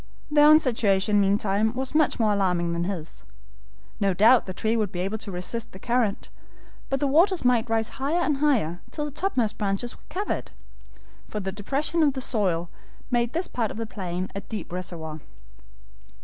Their own situation meantime was much more alarming than his. No doubt the tree would be able to resist the current, but the waters might rise higher and higher, till the topmost branches were covered, for the depression of the soil made this part of the plain a deep reservoir.